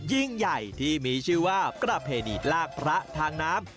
ยิ่งใหญ่ที่มีชื่อว่าประเพณีลากพระทางน้ำ